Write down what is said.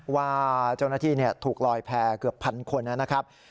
ว่าเจ้าหน้าทีถูกลอยแพรกเกือบ๑๐๐๐คนน่ะนะครับ